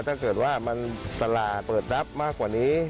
ถ้าเกิดว่ามันตลาดเปิดรับมากกว่านี้